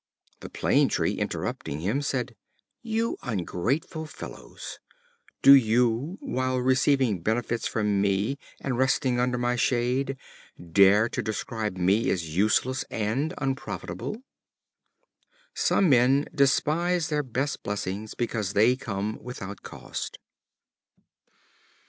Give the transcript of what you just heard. The Plane tree interrupting him said: "You ungrateful fellows! Do you, while receiving benefits from me, and resting under my shade, dare to describe me as useless, and unprofitable?" Some men despise their best blessings because they come without cost.